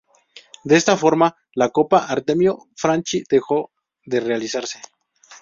De esta forma, la Copa Artemio Franchi dejó de realizarse.